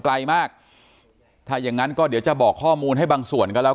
ไกลมากถ้าอย่างงั้นก็เดี๋ยวจะบอกข้อมูลให้บางส่วนก็แล้ว